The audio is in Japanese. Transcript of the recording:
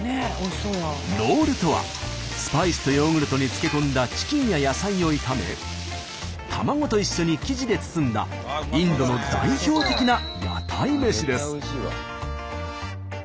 「ロール」とはスパイスとヨーグルトに漬け込んだチキンや野菜を炒め卵と一緒に生地で包んだインドの代表的な屋台飯です。